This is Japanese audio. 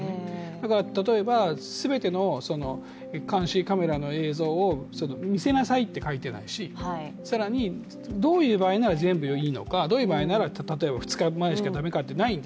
だから例えば、全ての監視カメラの映像を見せなさいと書いてないし更にどういう場合なら全部いいのかどういう場合なら２日前しか駄目だとかない。